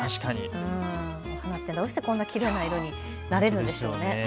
お花ってどうしてこんなにきれいな色になれるんでしょうね。